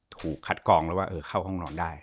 ถูกคัดกองแล้วว่าเข้าห้องนอนได้